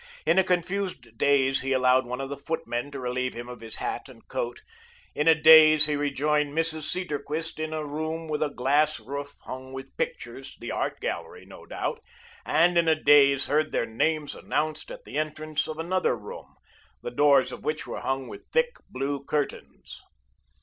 In a confused daze, he allowed one of the footmen to relieve him of his hat and coat; in a daze he rejoined Mrs. Cedarquist in a room with a glass roof, hung with pictures, the art gallery, no doubt, and in a daze heard their names announced at the entrance of another room, the doors of which were hung with thick, blue curtains.